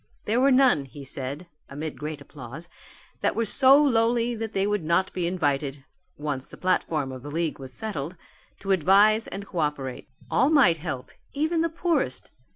There were none he said, amid great applause, that were so lowly that they would not be invited once the platform of the league was settled to advise and co operate. All might help, even the poorest.